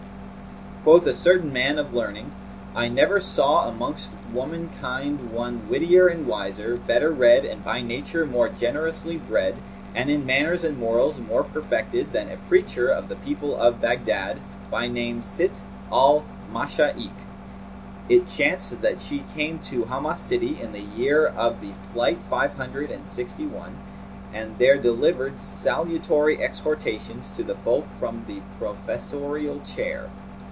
Quoth a certain man of learning, "I never saw amongst woman kind one wittier, and wiser, better read and by nature more generously bred; and in manners and morals more perfected than a preacher of the people of Baghdad, by name Sitt al Mashα'ikh.[FN#229] It chanced that she came to Hamah city in the year of the Flight five hundred and sixty and one[FN#230]; and there delivered salutary exhortations to the folk from the professorial chair.